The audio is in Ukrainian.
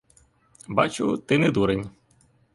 Бачу, ти не дурень.